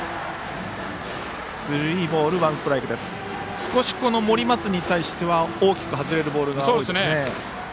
少し森松に対しては大きく外れるボールがあります。